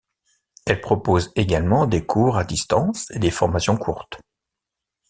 Elle propose également des cours à distance et des formations courtes.